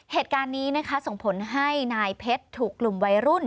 เหตุการณ์นี้นะคะส่งผลให้นายเพชรถูกกลุ่มวัยรุ่น